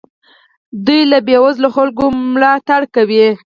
دوی له بې وزلو خلکو ملاتړ کوي.